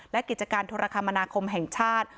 และกิจการโทรคมนาคมแห่งชาติ